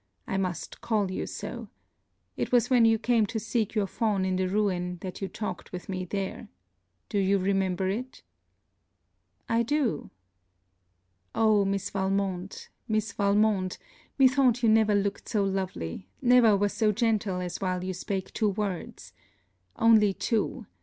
I must call you so. It was when you came to seek your fawn in the Ruin, that you talked with me there. Do you remember it?' 'I do.' 'Oh, Miss Valmont, Miss Valmont, methought you never looked so lovely, never was so gentle as while you spake two words Only two.